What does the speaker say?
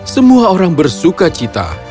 semua orang bersuka cita